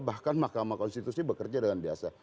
bahkan mahkamah konstitusi bekerja dengan biasa